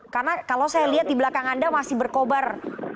karena kalau saya lihat di belakang anda masih berkobar